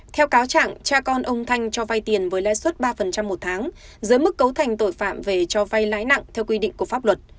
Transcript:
theo cáo trạng cha con ông thanh cho vay tiền với lãi suất ba một tháng dưới mức cấu thành tội phạm về cho vay lãi nặng theo quy định của pháp luật